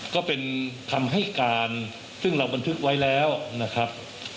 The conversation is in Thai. ก็เป็นคำให้การซึ่งเราบันทึกไว้แล้วนะครับ